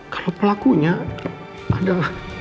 kalau pelakunya ada